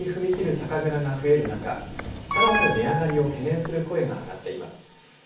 酒蔵が増える中さらなる値上がりを懸念する声が上がっています。